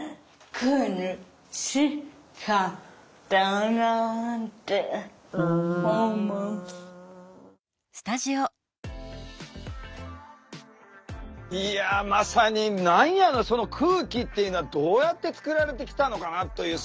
あったのがいやまさに何やろその空気っていうのはどうやって作られてきたのかなという。